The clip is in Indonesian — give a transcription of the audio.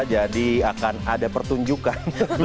jadi akan ada pertunjukan